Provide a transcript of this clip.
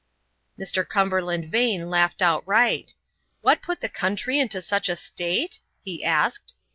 Mr. Cumberland Vane laughed outright. "What put the country into such a state?" he asked.